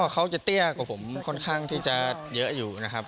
เขาจะเตี้ยกว่าผมค่อนข้างที่จะเยอะอยู่นะครับ